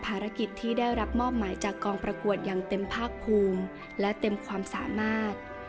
ภารกิจที่ได้รับมอบหมายจากกองประกวดอย่างเต็มภาคภูมิและเต็มความสามารถ